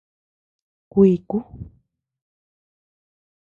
Kuiku.